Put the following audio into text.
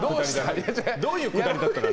どういう下りだったの？